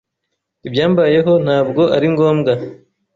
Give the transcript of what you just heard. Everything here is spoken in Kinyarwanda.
Ibyambayeho ntabwo ari ngombwa.